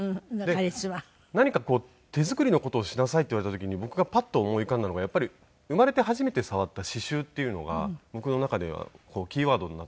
何かこう手作りの事をしなさいって言われた時に僕がパッと思い浮かんだのが生まれて初めて触った刺繍っていうのが僕の中ではキーワードになっていたんで。